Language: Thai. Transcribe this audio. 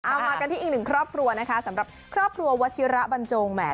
มากันที่อีกหนึ่งครอบครัวนะคะสำหรับครอบครัววัชิระบันจงแหม